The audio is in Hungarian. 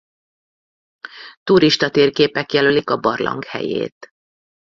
Turistatérképek jelölik a barlang helyét.